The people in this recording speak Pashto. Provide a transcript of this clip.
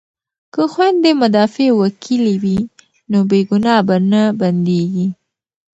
که خویندې مدافع وکیلې وي نو بې ګناه به نه بندیږي.